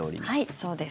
そうです。